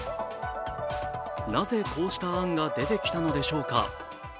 なぜ、こうした案が出てきたのでしょうか。